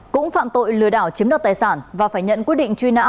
cũng phạm tội lừa đảo chiếm đoạt tài sản và phải nhận quyết định truy nã